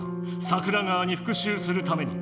桜川にふくしゅうするために。